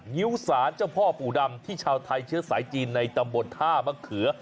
งิ้วสารเจ้าพ่อปู่ดำที่ชาวไทยเชื้อสายจีนในตำบลท่ามะเขือ